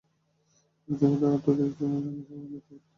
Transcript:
আগে যেহেতু আমার অথোরিটি ছিল না, আমি সমাধান দিতে পারতাম না।